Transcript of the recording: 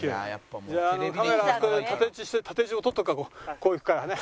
こう行くからね。